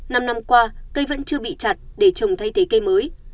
năm năm qua cây vẫn chưa bị chặt để trồng thay thế cây mới